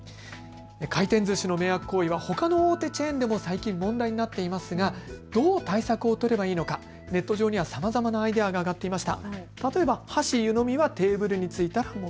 回転ずしの迷惑行為はほかの大手チェーンでも問題になっていますがどう対策を取ればいいのか、ネット上にはさまざまなアイデアがあがっていました。